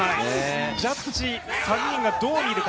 ジャッジ３人がどう見るか。